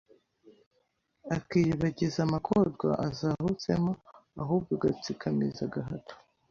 akiyibagiza amagorwa azahutsemo ahuwo agatsikamiza agahato